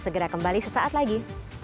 segera kembali sesaat lagi